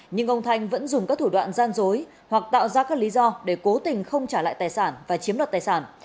nhưng ông thanh vẫn dùng các thủ đoạn gian dối hoặc tạo ra các lý do để cố tình không trả lại tài sản và chiếm đoạt tài sản